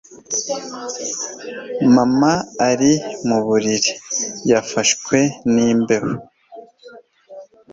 Mama ari mu buriri. Yafashwe n'imbeho.